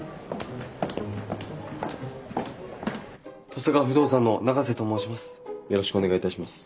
登坂不動産の永瀬と申します。